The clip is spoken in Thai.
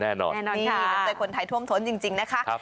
แน่นอนแน่นอนค่ะนี่แต่คนไทยท่วมท้นจริงจริงนะคะครับ